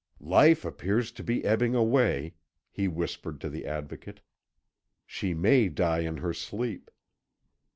"Life appears to be ebbing away," he whispered to the Advocate; "she may die in her sleep."